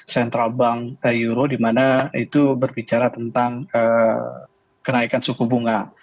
central bank euro di mana itu berbicara tentang kenaikan suku bunga